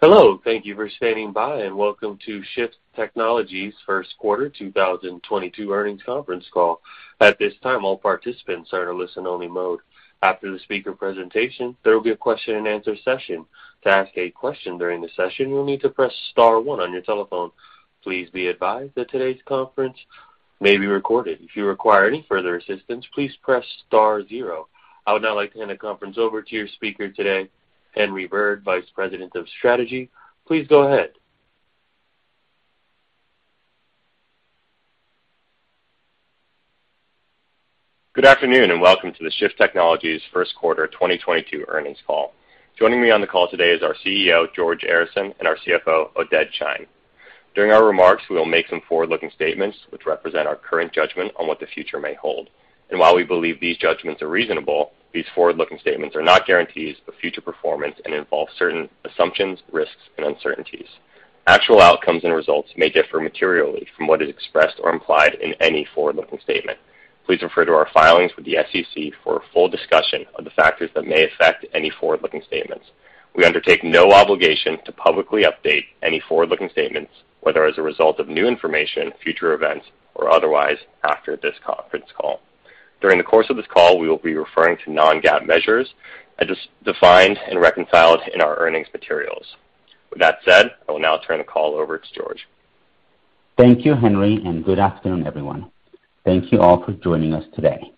Hello. Thank you for standing by, and welcome to Shift Technologies first quarter 2022 earnings conference call. At this time, all participants are in a listen only mode. After the speaker presentation, there will be a question and answer session. To ask a question during the session, you'll need to press star one on your telephone. Please be advised that today's conference may be recorded. If you require any further assistance, please press star zero. I would now like to hand the conference over to your speaker today, Henry Bird, Vice President of Strategy. Please go ahead. Good afternoon, and welcome to the Shift Technologies first quarter 2022 earnings call. Joining me on the call today is our CEO, George Arison, and our CFO, Oded Shein. During our remarks, we will make some forward-looking statements which represent our current judgment on what the future may hold. While we believe these judgments are reasonable, these forward-looking statements are not guarantees of future performance and involve certain assumptions, risks, and uncertainties. Actual outcomes and results may differ materially from what is expressed or implied in any forward-looking statement. Please refer to our filings with the SEC for a full discussion of the factors that may affect any forward-looking statements. We undertake no obligation to publicly update any forward-looking statements, whether as a result of new information, future events, or otherwise, after this conference call. During the course of this call, we will be referring to non-GAAP measures as defined and reconciled in our earnings materials. With that said, I will now turn the call over to George. Thank you, Henry, and good afternoon, everyone. Thank you all for joining us today.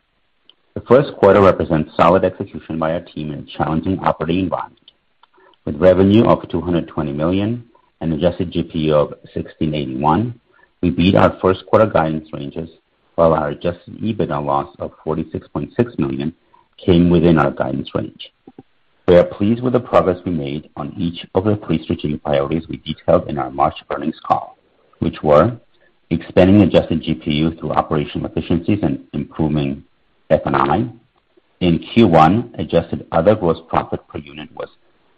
The first quarter represents solid execution by our team in a challenging operating environment. With revenue of $220 million and adjusted GPU of $1,681, we beat our first quarter guidance ranges, while our adjusted EBITDA loss of $46.6 million came within our guidance range. We are pleased with the progress we made on each of the three strategic priorities we detailed in our March earnings call, which were expanding adjusted GPU through operational efficiencies and improving F&I. In Q1, adjusted other gross profit per unit was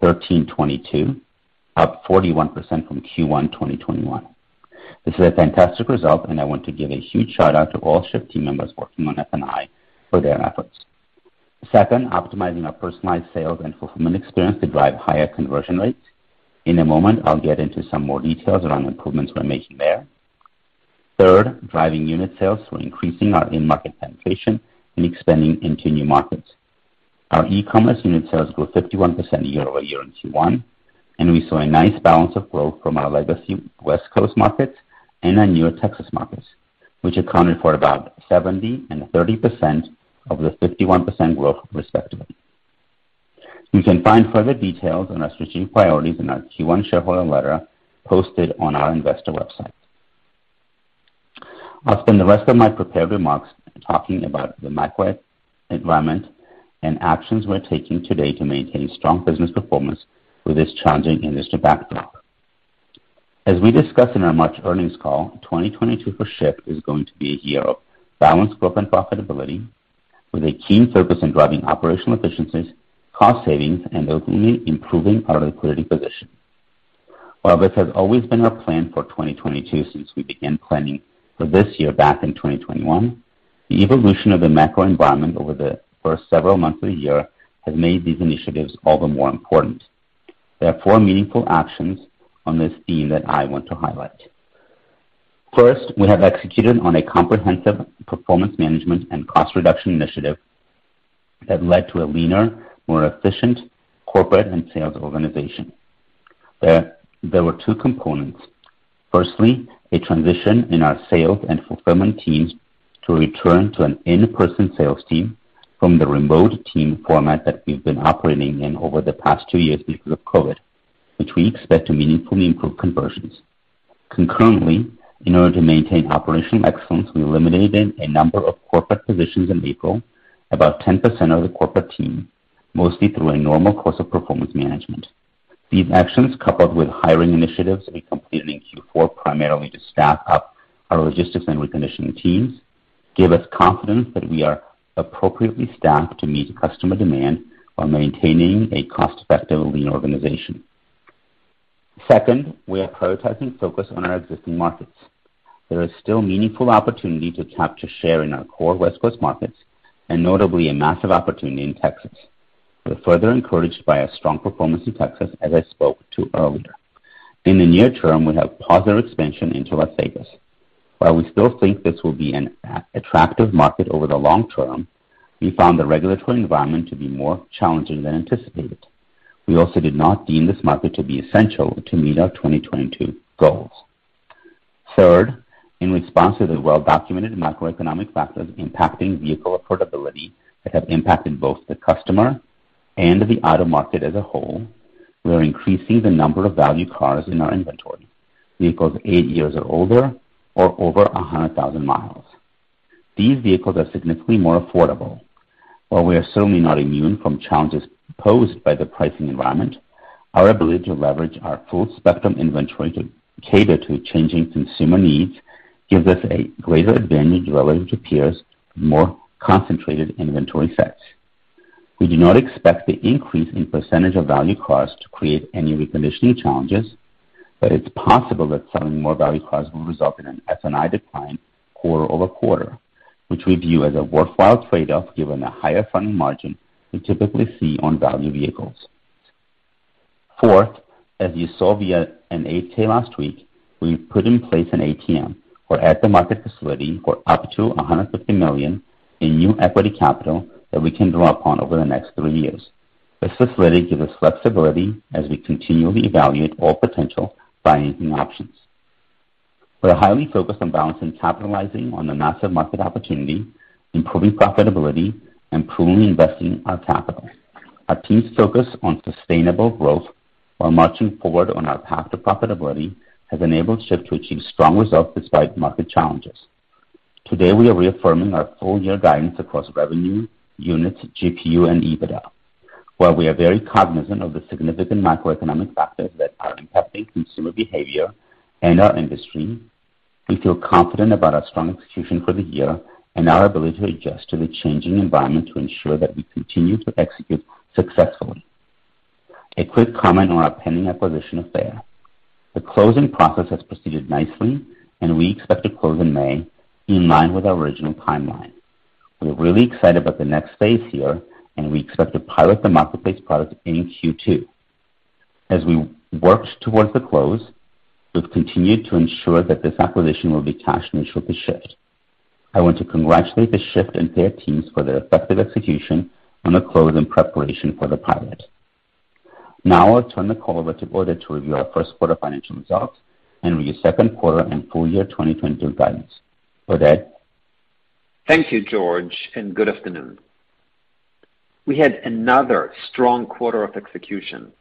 $1,322, up 41% from Q1 2021. This is a fantastic result, and I want to give a huge shout-out to all Shift team members working on F&I for their efforts. Second, optimizing our personalized sales and fulfillment experience to drive higher conversion rates. In a moment, I'll get into some more details around improvements we're making there. Third, driving unit sales. We're increasing our in-market penetration and expanding into new markets. Our e-commerce unit sales grew 51% year-over-year in Q1, and we saw a nice balance of growth from our legacy West Coast markets and our newer Texas markets, which accounted for about 70% and 30% of the 51% growth, respectively. You can find further details on our strategic priorities in our Q1 shareholder letter posted on our investor website. I'll spend the rest of my prepared remarks talking about the macro environment and actions we're taking today to maintain strong business performance with this challenging industry backdrop. As we discussed in our March earnings call, 2022 for Shift is going to be a year of balanced growth and profitability with a keen focus on driving operational efficiencies, cost savings, and ultimately improving our liquidity position. While this has always been our plan for 2022 since we began planning for this year back in 2021, the evolution of the macro environment over the first several months of the year has made these initiatives all the more important. There are four meaningful actions on this theme that I want to highlight. First, we have executed on a comprehensive performance management and cost reduction initiative that led to a leaner, more efficient corporate and sales organization. There were two components. Firstly, a transition in our sales and fulfillment teams to return to an in-person sales team from the remote team format that we've been operating in over the past two years because of COVID, which we expect to meaningfully improve conversions. Concurrently, in order to maintain operational excellence, we eliminated a number of corporate positions in April, about 10% of the corporate team, mostly through a normal course of performance management. These actions, coupled with hiring initiatives we completed in Q4, primarily to staff up our logistics and reconditioning teams, give us confidence that we are appropriately staffed to meet customer demand while maintaining a cost-effective, lean organization. Second, we are prioritizing focus on our existing markets. There is still meaningful opportunity to capture share in our core West Coast markets and notably a massive opportunity in Texas. We're further encouraged by our strong performance in Texas, as I spoke to earlier. In the near term, we have paused our expansion into Las Vegas. While we still think this will be an attractive market over the long term, we found the regulatory environment to be more challenging than anticipated. We also did not deem this market to be essential to meet our 2022 goals. Third, in response to the well-documented macroeconomic factors impacting vehicle affordability that have impacted both the customer and the auto market as a whole, we are increasing the number of value cars in our inventory, vehicles 8 years or older or over 100,000 miles. These vehicles are significantly more affordable. While we are certainly not immune from challenges posed by the pricing environment, our ability to leverage our full spectrum inventory to cater to changing consumer needs gives us a greater advantage relative to peers with more concentrated inventory sets. We do not expect the increase in percentage of value cars to create any reconditioning challenges. It's possible that selling more value cars will result in an F&I decline quarter over quarter, which we view as a worthwhile trade-off given the higher funding margin we typically see on value vehicles. Fourth, as you saw via an 8-K last week, we put in place an ATM or at the market facility for up to $150 million in new equity capital that we can draw upon over the next three years. This facility gives us flexibility as we continually evaluate all potential financing options. We're highly focused on balancing, capitalizing on the massive market opportunity, improving profitability, and prudently investing our capital. Our team's focus on sustainable growth while marching forward on our path to profitability has enabled Shift to achieve strong results despite market challenges. Today, we are reaffirming our full-year guidance across revenue, units, GPU, and EBITDA. While we are very cognizant of the significant macroeconomic factors that are impacting consumer behavior and our industry, we feel confident about our strong execution for the year and our ability to adjust to the changing environment to ensure that we continue to execute successfully. A quick comment on our pending acquisition of Fair. The closing process has proceeded nicely, and we expect to close in May in line with our original timeline. We are really excited about the next phase here, and we expect to pilot the marketplace product in Q2. As we work towards the close, we've continued to ensure that this acquisition will be cash-neutral to Shift. I want to congratulate the Shift and Fair teams for their effective execution on the close and preparation for the pilot. Now I'll turn the call over to Oded to review our first quarter financial results and review second quarter and full-year 2022 guidance. Oded? Thank you, George, and good afternoon. We had another strong quarter of execution.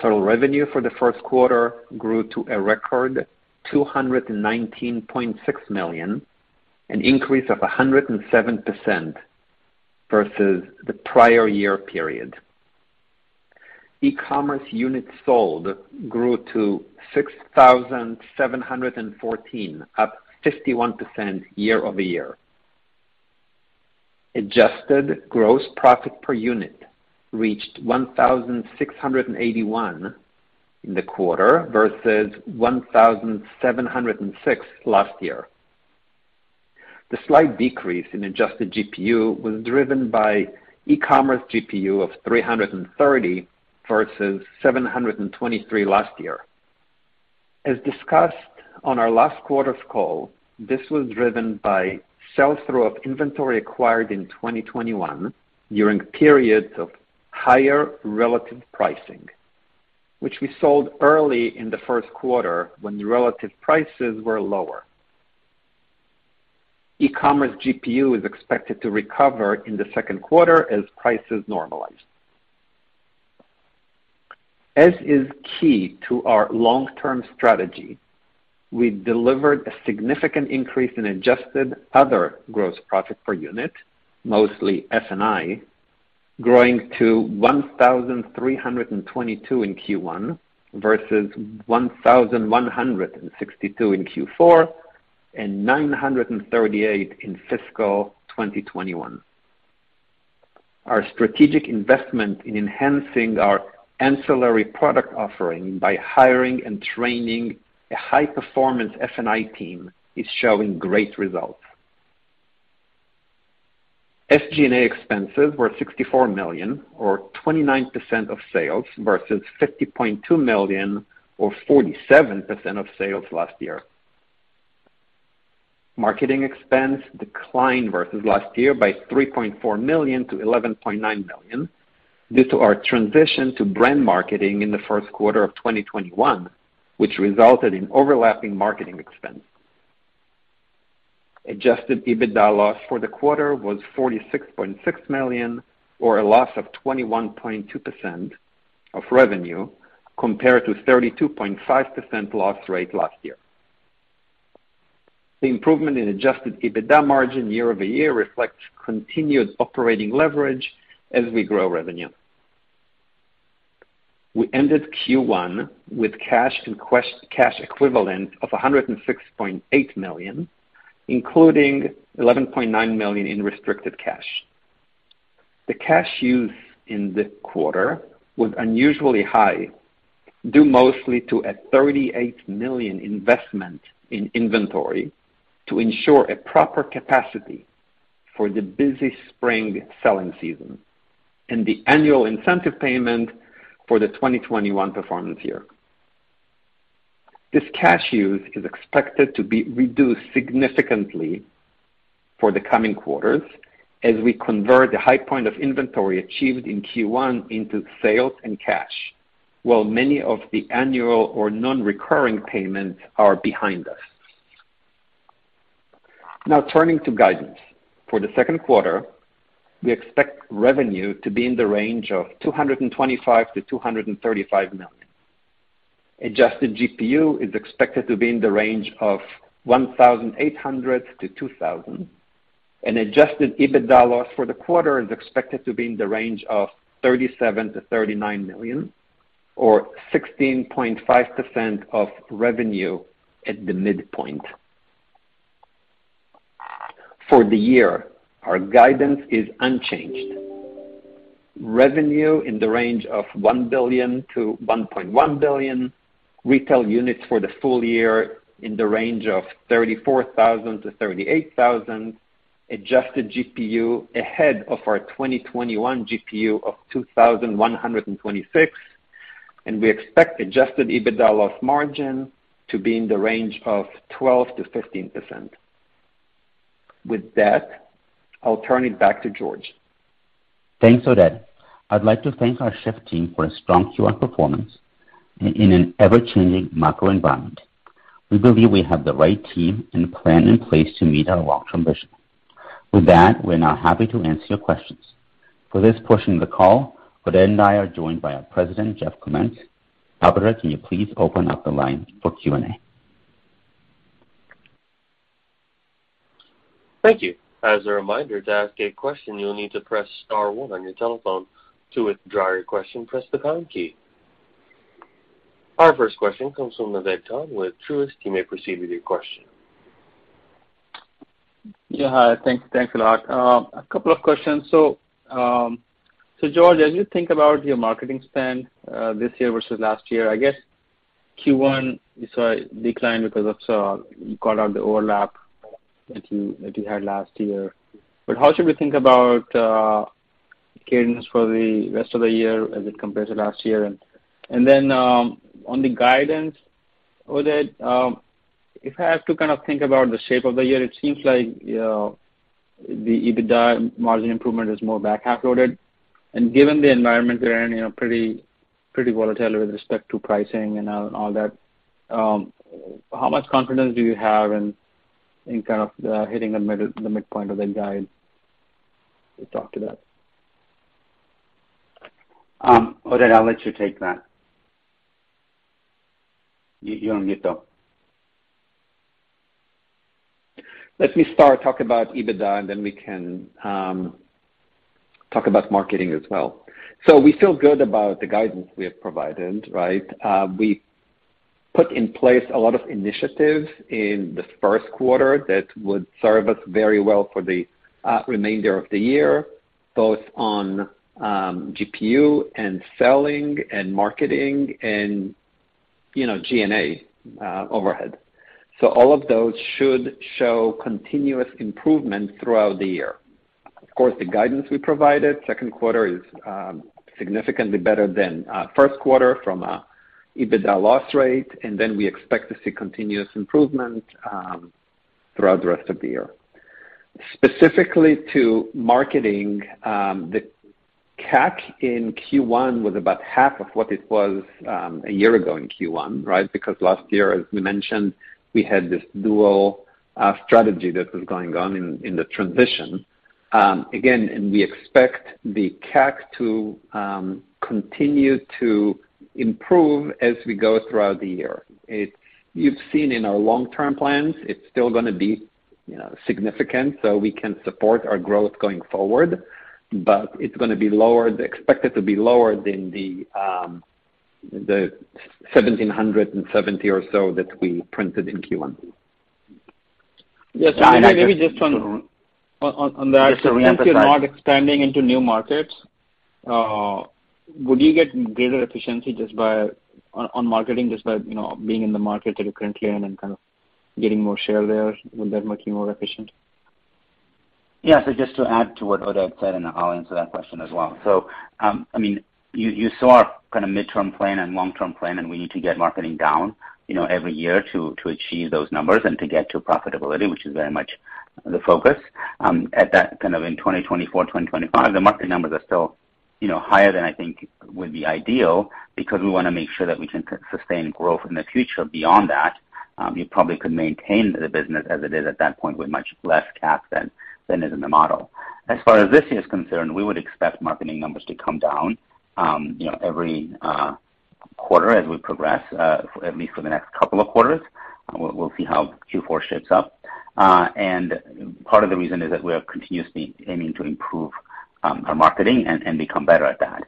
Total revenue for the first quarter grew to a record $219.6 million, an increase of 107% versus the prior year period. E-commerce units sold grew to 6,714, up 51% year-over-year. Adjusted gross profit per unit reached 1,681 in the quarter versus 1,706 last year. The slight decrease in adjusted GPU was driven by e-commerce GPU of 330 versus 723 last year. As discussed on our last quarter's call, this was driven by sell-through of inventory acquired in 2021 during periods of higher relative pricing, which we sold early in the first quarter when the relative prices were lower. e-commerce GPU is expected to recover in the second quarter as prices normalize. As is key to our long-term strategy, we delivered a significant increase in adjusted other gross profit per unit, mostly F&I, growing to $1,322 in Q1 versus $1,162 in Q4 and $938 in fiscal 2021. Our strategic investment in enhancing our ancillary product offering by hiring and training a high-performance F&I team is showing great results. SG&A expenses were $64 million or 29% of sales versus $50.2 million or 47% of sales last year. Marketing expense declined versus last year by $3.4 million to $11.9 million due to our transition to brand marketing in the first quarter of 2021, which resulted in overlapping marketing expense. Adjusted EBITDA loss for the quarter was $46.6 million or a loss of 21.2% of revenue compared to 32.5% loss rate last year. The improvement in adjusted EBITDA margin year-over-year reflects continued operating leverage as we grow revenue. We ended Q1 with cash equivalent of $106.8 million, including $11.9 million in restricted cash. The cash use in this quarter was unusually high, due mostly to a $38 million investment in inventory to ensure a proper capacity for the busy spring selling season and the annual incentive payment for the 2021 performance year. This cash use is expected to be reduced significantly for the coming quarters as we convert the high point of inventory achieved in Q1 into sales and cash, while many of the annual or non-recurring payments are behind us. Now, turning to guidance. For the second quarter, we expect revenue to be in the range of $225 million-$235 million. Adjusted GPU is expected to be in the range of 1,800-2,000, and adjusted EBITDA loss for the quarter is expected to be in the range of $37 million-$39 million or 16.5% of revenue at the midpoint. For the year, our guidance is unchanged. Revenue in the range of $1 billion-$1.1 billion. Retail units for the full year in the range of 34,000-38,000. Adjusted GPU ahead of our 2021 GPU of 2,126. We expect adjusted EBITDA loss margin to be in the range of 12%-15%. With that, I'll turn it back to George. Thanks, Oded. I'd like to thank our Shift team for a strong quarter performance in an ever-changing macro environment. We believe we have the right team and plan in place to meet our long-term vision. With that, we're now happy to answer your questions. For this portion of the call, Oded and I are joined by our President, Jeff Clementz. Operator, can you please open up the line for Q&A? Thank you. As a reminder, to ask a question, you'll need to press star one on your telephone. To withdraw your question, press the pound key. Our first question comes from Naved Khan with Truist. You may proceed with your question. Yeah, hi. Thanks a lot. A couple of questions. George, as you think about your marketing spend this year versus last year, I guess Q1 you saw a decline because of the overlap that you had last year. How should we think about cadence for the rest of the year as it compares to last year? Then on the guidance, Oded, if I have to kind of think about the shape of the year, it seems like, you know, the EBITDA margin improvement is more back half-loaded. Given the environment we're in, you know, pretty volatile with respect to pricing and all that, how much confidence do you have in kind of hitting the midpoint of that guide to talk to that? Oded, I'll let you take that. You're on mute, though. Let me start to talk about EBITDA, and then we can talk about marketing as well. We feel good about the guidance we have provided, right? We put in place a lot of initiatives in this first quarter that would serve us very well for the remainder of the year, both on GPU and selling and marketing and, you know, G&A overhead. All of those should show continuous improvement throughout the year. Of course, the guidance we provided, second quarter is significantly better than first quarter from an EBITDA loss rate, and then we expect to see continuous improvement throughout the rest of the year. Specifically to marketing, the CAC in Q1 was about half of what it was a year ago in Q1, right? Because last year, as we mentioned, we had this dual strategy that was going on in the transition. Again, we expect the CAC to continue to improve as we go throughout the year. You've seen in our long-term plans it's still gonna be, you know, significant, so we can support our growth going forward, but it's gonna be lower, expected to be lower than the $1,770 or so that we printed in Q1. Maybe just on that. Just to reemphasize. You're not expanding into new markets. Would you get greater efficiency just by on marketing just by, you know, being in the market that you're currently in and kind of getting more share there? Would that make you more efficient? Yeah. Just to add to what Oded said, and I'll answer that question as well. I mean, you saw our kinda midterm plan and long-term plan, and we need to get marketing down, you know, every year to achieve those numbers and to get to profitability, which is very much the focus. At that kind of in 2024, 2025, the marketing numbers are still, you know, higher than I think would be ideal because we wanna make sure that we can sustain growth in the future. Beyond that, you probably could maintain the business as it is at that point with much less cap than is in the model. As far as this year is concerned, we would expect marketing numbers to come down, you know, every quarter as we progress, at least for the next couple of quarters. We'll see how Q4 shapes up. Part of the reason is that we are continuously aiming to improve our marketing and become better at that.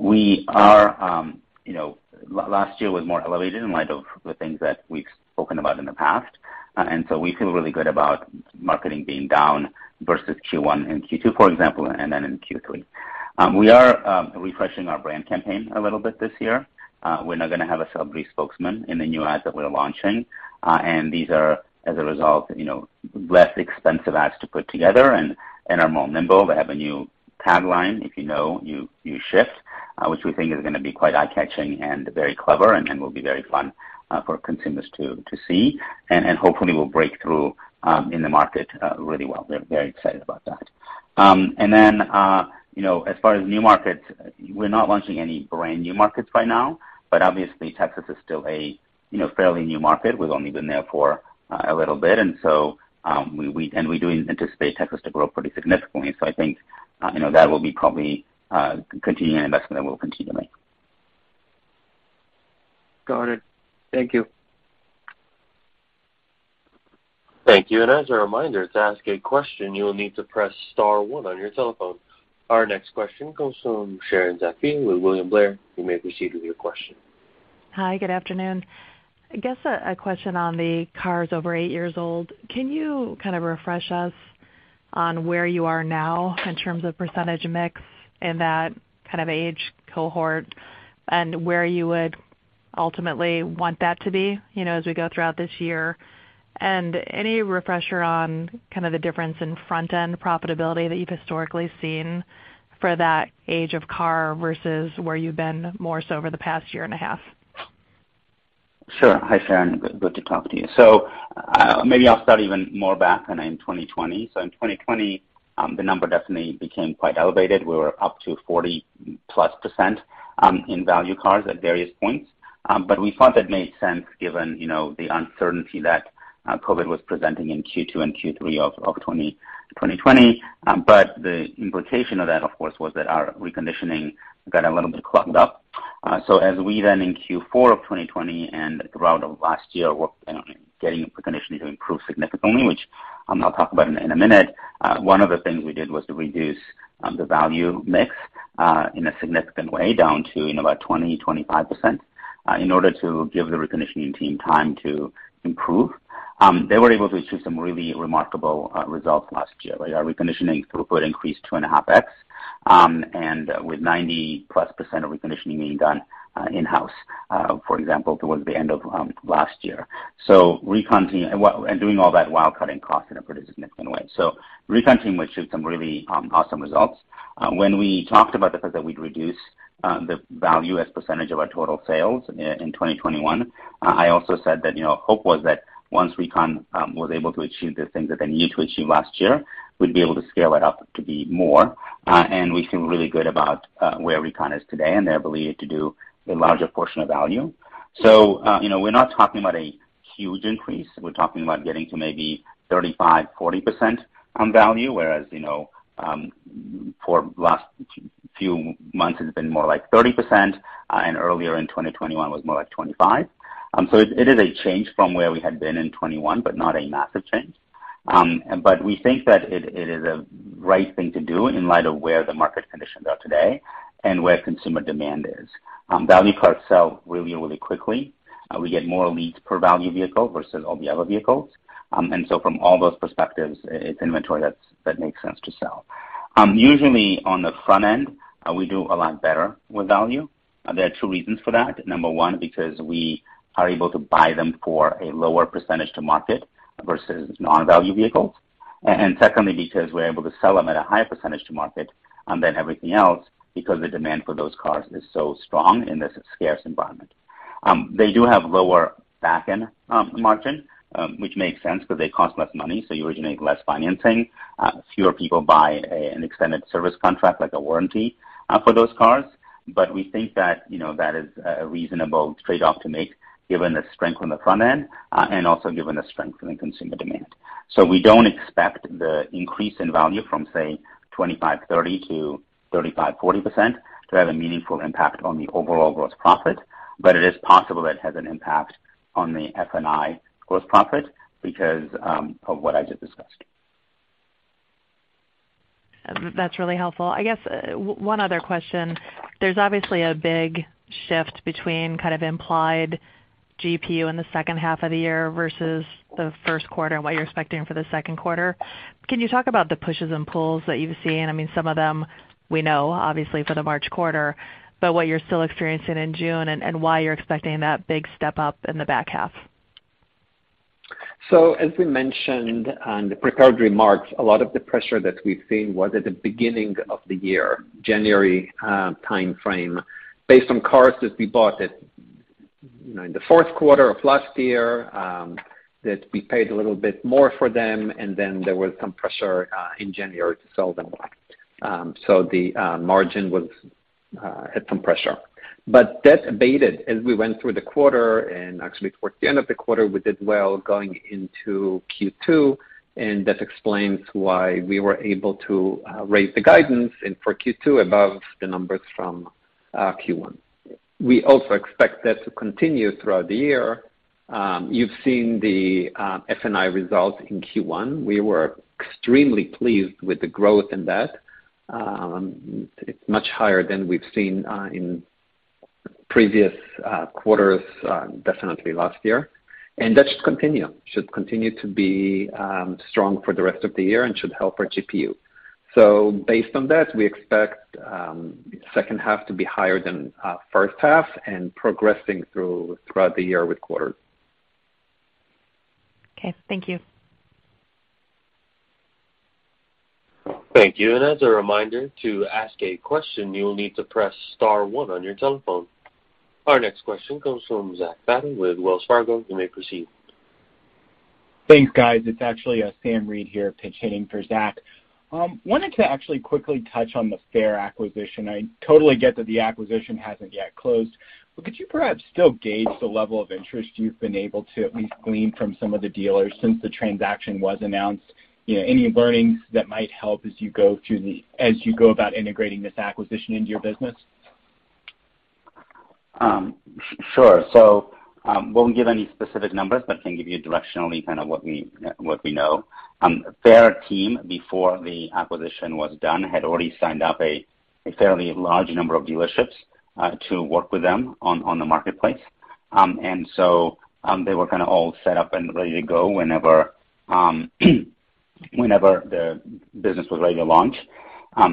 We are, you know, last year was more elevated in light of the things that we've spoken about in the past. We feel really good about marketing being down versus Q1 and Q2, for example, and then in Q3. We are refreshing our brand campaign a little bit this year. We're now gonna have a celebrity spokesman in the new ads that we're launching. These are, as a result, you know, less expensive ads to put together and are more nimble. They have a new tagline, you know, new Shift, which we think is gonna be quite eye-catching and very clever and will be very fun for consumers to see. Hopefully will break through in the market really well. We're very excited about that. You know, as far as new markets, we're not launching any brand new markets by now, but obviously Texas is still a you know, fairly new market. We've only been there for a little bit. We do anticipate Texas to grow pretty significantly. I think you know, that will be probably continuing investment that we'll continue to make. Got it. Thank you. Thank you. As a reminder, to ask a question, you will need to press star one on your telephone. Our next question comes from Sharon Zackfia with William Blair. You may proceed with your question. Hi, good afternoon. I guess a question on the cars over 8 years old. Can you kind of refresh us on where you are now in terms of percentage mix in that kind of age cohort and where you would ultimately want that to be, you know, as we go throughout this year? Any refresher on kind of the difference in front-end profitability that you've historically seen for that age of car versus where you've been more so over the past year and a half? Sure. Hi, Sharon. Good to talk to you. Maybe I'll start even more back than in 2020. In 2020, the number definitely became quite elevated. We were up to 40+% in value cars at various points. We thought that made sense given, you know, the uncertainty that COVID was presenting in Q2 and Q3 of 2020. The implication of that, of course, was that our reconditioning got a little bit clogged up. As we then in Q4 of 2020 and throughout last year worked on getting reconditioning to improve significantly, which I'll talk about in a minute, one of the things we did was to reduce the value mix in a significant way down to about 20-25% in order to give the reconditioning team time to improve. They were able to achieve some really remarkable results last year. Our reconditioning throughput increased 2.5x and with 90+% of reconditioning being done in-house, for example, towards the end of last year. Doing all that while cutting costs in a pretty significant way. Recon team achieved some really awesome results. When we talked about the fact that we'd reduce the value as percentage of our total sales in 2021, I also said that, you know, hope was that once recon was able to achieve the things that they needed to achieve last year, we'd be able to scale it up to be more. We feel really good about where recon is today, and they're believed to do a larger portion of value. You know, we're not talking about a huge increase. We're talking about getting to maybe 35-40% on value, whereas, you know, for last few months it's been more like 30%, and earlier in 2021 was more like 25%. It is a change from where we had been in 2021, but not a massive change. We think that it is a right thing to do in light of where the market conditions are today and where consumer demand is. Value cars sell really quickly. We get more leads per value vehicle versus all the other vehicles. From all those perspectives, it's inventory that makes sense to sell. Usually on the front end, we do a lot better with value. There are two reasons for that. Number one, because we are able to buy them for a lower percentage to market versus non-value vehicles. And secondly, because we're able to sell them at a higher percentage to market than everything else because the demand for those cars is so strong in this scarce environment. They do have lower back-end margin, which makes sense because they cost less money, so you originate less financing. Fewer people buy an extended service contract like a warranty for those cars. We think that, you know, that is a reasonable trade-off to make given the strength on the front end, and also given the strength in the consumer demand. We don't expect the increase in value from, say, 25%-30% to 35%-40% to have a meaningful impact on the overall gross profit, but it is possible that it has an impact on the F&I gross profit because of what I just discussed. That's really helpful. I guess one other question. There's obviously a big shift between kind of implied GPU in the second half of the year versus the first quarter and what you're expecting for the second quarter. Can you talk about the pushes and pulls that you've seen? I mean, some of them we know obviously for the March quarter, but what you're still experiencing in June and why you're expecting that big step up in the back half. As we mentioned on the prepared remarks, a lot of the pressure that we've seen was at the beginning of the year, January, timeframe. Based on cars that we bought at, you know, in the fourth quarter of last year, that we paid a little bit more for them and then there was some pressure in January to sell them. The margin had some pressure. That abated as we went through the quarter and actually towards the end of the quarter we did well going into Q2, and that explains why we were able to raise the guidance and for Q2 above the numbers from Q1. We also expect that to continue throughout the year. You've seen the F&I results in Q1. We were extremely pleased with the growth in that. It's much higher than we've seen in previous quarters, definitely last year. That should continue. Should continue to be strong for the rest of the year and should help our GPU. Based on that, we expect second half to be higher than first half and progressing throughout the year with quarters. Okay. Thank you. Thank you. As a reminder, to ask a question, you'll need to press star one on your telephone. Our next question comes from Zach Fadem with Wells Fargo. You may proceed. Thanks, guys. It's actually Sam Reid here pitch hitting for Zach Fadem. Wanted to actually quickly touch on the Fair acquisition. I totally get that the acquisition hasn't yet closed, but could you perhaps still gauge the level of interest you've been able to at least glean from some of the dealers since the transaction was announced? You know, any learnings that might help as you go about integrating this acquisition into your business? Sure. Won't give any specific numbers, but can give you directionally kind of what we know. Their team before the acquisition was done had already signed up a fairly large number of dealerships to work with them on the marketplace. They were kinda all set up and ready to go whenever the business was ready to launch.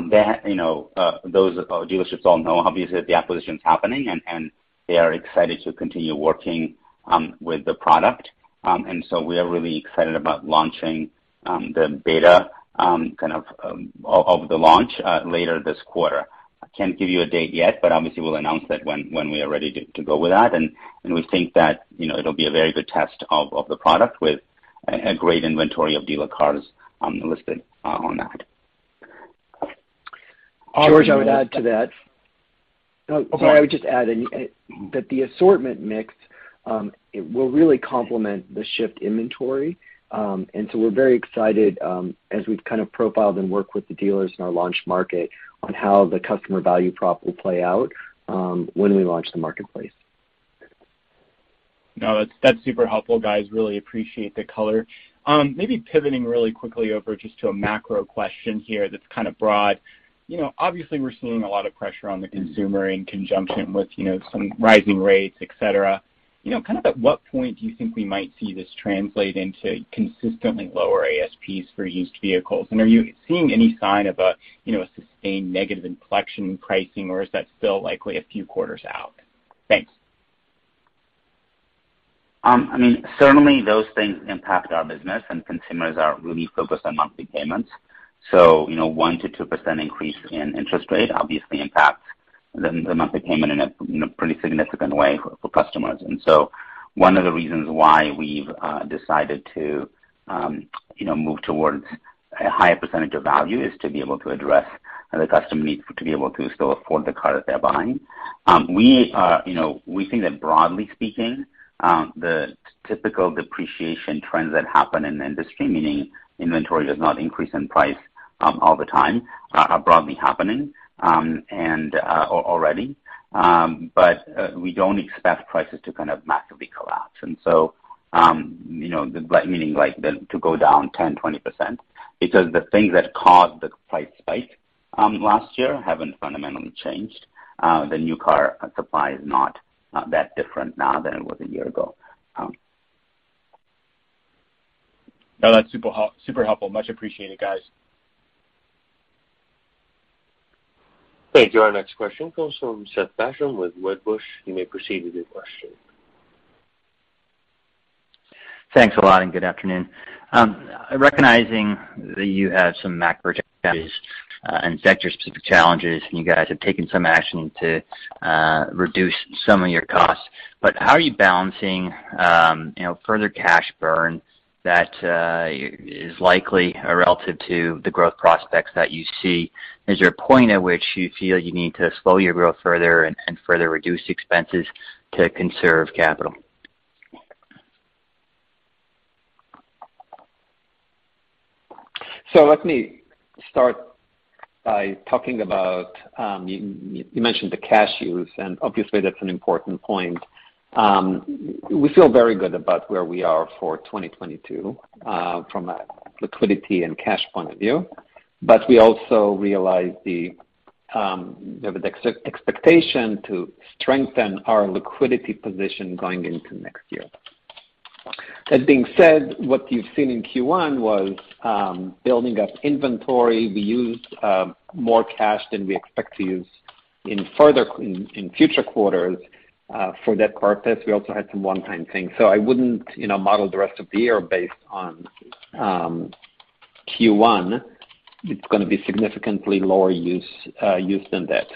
They had, you know, those dealerships all know obviously that the acquisition's happening and they are excited to continue working with the product. We are really excited about launching the beta, kind of the launch, later this quarter. I can't give you a date yet, but obviously we'll announce that when we are ready to go with that. We think that, you know, it'll be a very good test of the product with a great inventory of dealer cars, listed on that. George, I would add to that. Okay. Sorry. I would just add in that the assortment mix, it will really complement the Shift inventory. We're very excited as we've kind of profiled and worked with the dealers in our launch market on how the customer value prop will play out when we launch the marketplace. No, that's super helpful, guys. Really appreciate the color. Maybe pivoting really quickly over just to a macro question here that's kind of broad. You know, obviously we're seeing a lot of pressure on the consumer in conjunction with, you know, some rising rates, et cetera. You know, kind of at what point do you think we might see this translate into consistently lower ASPs for used vehicles? And are you seeing any sign of a, you know, a sustained negative inflection in pricing, or is that still likely a few quarters out? Thanks. I mean, certainly those things impact our business, and consumers are really focused on monthly payments. You know, 1%-2% increase in interest rate obviously impacts the monthly payment in a pretty significant way for customers. One of the reasons why we've decided to move towards a higher percentage of value is to be able to address the customer needs to be able to still afford the car that they're buying. We think that broadly speaking, the typical depreciation trends that happen in the industry, meaning inventory does not increase in price all the time, are broadly happening and already. We don't expect prices to kind of massively collapse. to go down 10%-20%. Because the things that caused the price spike last year haven't fundamentally changed. The new car supply is not that different now than it was a year ago. No, that's super helpful. Much appreciated, guys. Thank you. Our next question comes from Seth Basham with Wedbush. You may proceed with your question. Thanks a lot, and good afternoon. Recognizing that you have some macro challenges and sector-specific challenges, and you guys have taken some action to reduce some of your costs, but how are you balancing, you know, further cash burn that is likely or relative to the growth prospects that you see? Is there a point at which you feel you need to slow your growth further and further reduce expenses to conserve capital? Let me start by talking about you mentioned the cash use, and obviously that's an important point. We feel very good about where we are for 2022 from a liquidity and cash point of view. We also realize the expectation to strengthen our liquidity position going into next year. That being said, what you've seen in Q1 was building up inventory. We used more cash than we expect to use in future quarters. For that quarter, we also had some one-time things. I wouldn't, you know, model the rest of the year based on Q1. It's gonna be significantly lower use than that.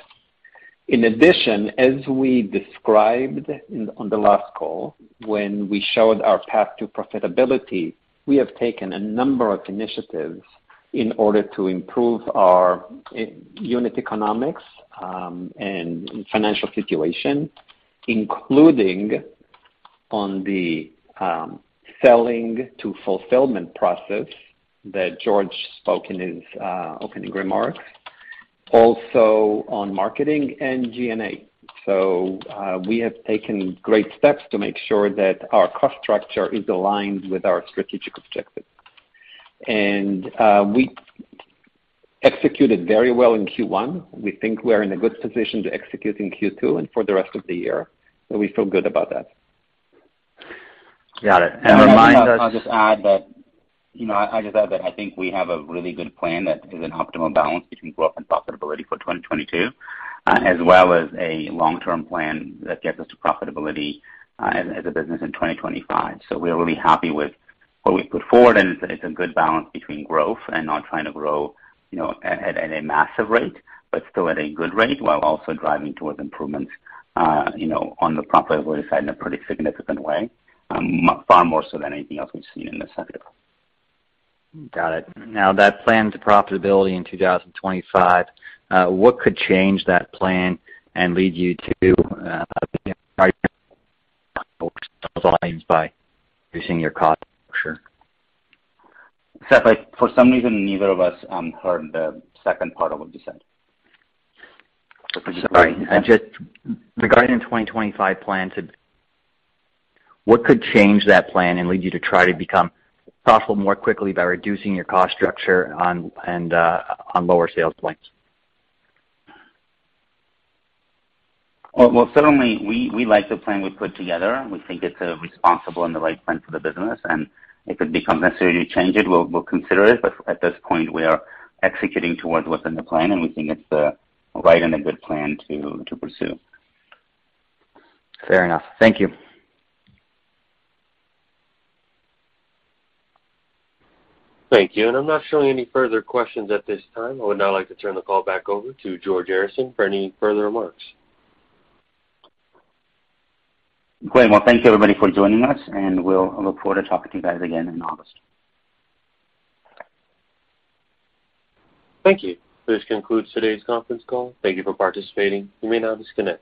In addition, as we described on the last call when we showed our path to profitability, we have taken a number of initiatives in order to improve our unit economics and financial situation, including on the selling to fulfillment process that George spoke in his opening remarks. Also on marketing and G&A. We have taken great steps to make sure that our cost structure is aligned with our strategic objectives. We executed very well in Q1. We think we are in a good position to execute in Q2 and for the rest of the year. We feel good about that. Got it. Remind us- I'll just add that I think we have a really good plan that is an optimal balance between growth and profitability for 2022, as well as a long-term plan that gets us to profitability, as a business in 2025. We're really happy with what we've put forward, and it's a good balance between growth and not trying to grow, you know, at a massive rate, but still at a good rate while also driving towards improvements, you know, on the profitability side in a pretty significant way, far more so than anything else we've seen in the sector. Got it. Now, that plan to profitability in 2025, what could change that plan and lead you to, by reducing your cost structure? Seth, for some reason, neither of us heard the second part of what you said. Sorry. Just regarding the 2025 plan. What could change that plan and lead you to try to become profitable more quickly by reducing your cost structure on and on lower sales points? Well, certainly we like the plan we put together. We think it's responsible and the right plan for the business. If it becomes necessary to change it, we'll consider it. At this point, we are executing towards what's in the plan, and we think it's the right and a good plan to pursue. Fair enough. Thank you. Thank you. I'm not showing any further questions at this time. I would now like to turn the call back over to George Arison for any further remarks. Great. Well, thank you, everybody, for joining us, and we'll look forward to talking to you guys again in August. Thank you. This concludes today's conference call. Thank you for participating. You may now disconnect.